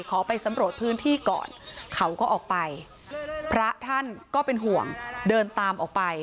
ขอไปสำรวจพื้นที่ก่อนเขาก็ออกไปพระท่านก็เป็นห่วงเดินตามออกไป